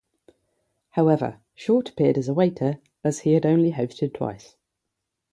However, Short appeared as a waiter, as he had only hosted twice.